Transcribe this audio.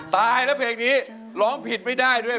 ตายแล้วเพลงนี้ร้องผิดไม่ได้ด้วย